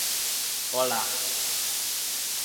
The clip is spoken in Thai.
โอล่า